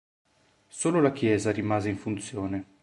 Solo la chiesa rimase in funzione.